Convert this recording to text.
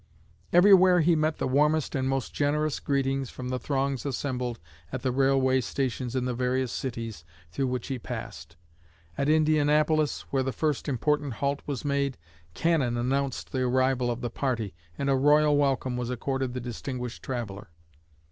Everywhere he met the warmest and most generous greetings from the throngs assembled at the railway stations in the various cities through which he passed. At Indianapolis, where the first important halt was made, cannon announced the arrival of the party, and a royal welcome was accorded the distinguished traveler.